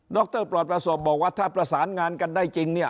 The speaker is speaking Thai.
รปลอดประสบบอกว่าถ้าประสานงานกันได้จริงเนี่ย